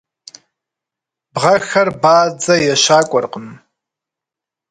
Бгъэхэр бадзэ ещакӏуэркъым.